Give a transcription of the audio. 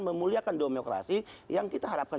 memuliakan demokrasi yang kita harapkan